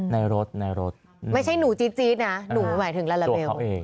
ในรถในรถไม่ใช่หนูจี๊ดนะหนูหมายถึงลาลาเบล